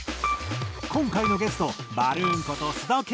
今回のゲストバルーンこと須田景